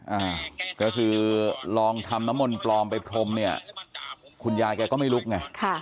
อ่าก็คือลองทำน้ำมนต์ปลอมไปพรมเนี่ยคุณยายแกก็ไม่ลุกไงค่ะ